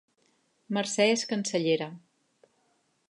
Mercè és cancellera